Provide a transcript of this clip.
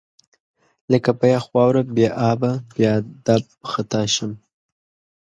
لکه په یخ واوره بې ابه، بې ادب خطا شم